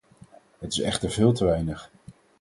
Het is echter veel te weinig.